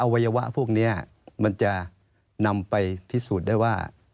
วัยวะพวกนี้มันจะนำไปพิสูจน์ได้ว่า